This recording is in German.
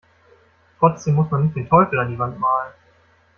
Trotzdem muss man nicht den Teufel an die Wand malen.